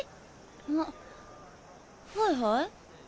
あはいはい。